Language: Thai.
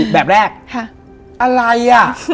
แบบแรกอะไรอ่ะ